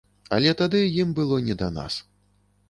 Але тады ім было не да нас.